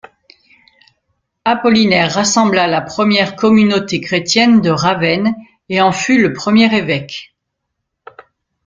Apollinaire rassembla la première communauté chrétienne de Ravenne et en fut le premier évêque.